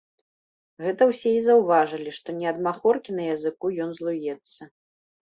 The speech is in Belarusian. Гэта ўсе і заўважылі, што не ад махоркі на языку ён злуецца.